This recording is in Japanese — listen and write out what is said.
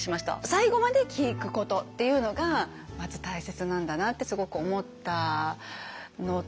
最後まで聞くことっていうのがまず大切なんだなってすごく思いました。